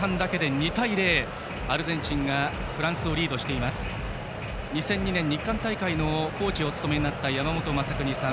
２００２年日韓大会のコーチをお務めになった山本昌邦さん。